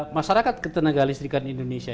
masyarakat ketenagaan listrikan indonesia